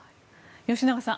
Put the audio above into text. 吉永さん